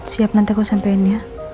siap nanti aku sampein ya